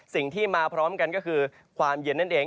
สิ่งที่มาพร้อมกันก็คือความเย็นนั่นเอง